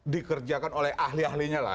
dikerjakan oleh ahli ahlinya